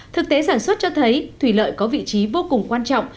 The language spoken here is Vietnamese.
thực tế sản xuất cho thấy thủy lợi có vị trí vô cùng quan trọng